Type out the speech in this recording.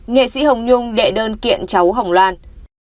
nghệ sĩ hồng nhung đệ đơn kiện cháu hồng loan